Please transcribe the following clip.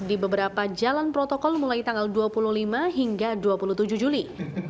di beberapa jalan protokol mulai tanggal dua puluh lima hingga dua puluh tujuh juli